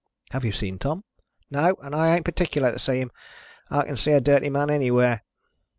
"Have you seen Tom?" "No, and I ain't partickler to see him. I can see a dirty man anywhere."